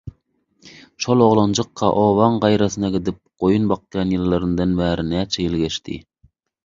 şol oglanjykka obaň gaýrasyna gidip goýun bakýan ýyllaryndan bäri näçe ýyl geçdi.